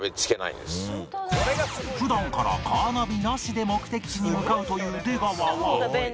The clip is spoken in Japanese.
普段からカーナビなしで目的地に向かうという出川は